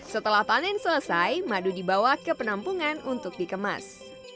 setelah panen selesai madu dibawa ke penampungan untuk dikemas